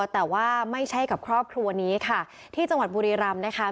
แต่ว่าไม่ใช่กับครอบครัวนี้ค่ะที่จังหวัดบุรีรำนะคะ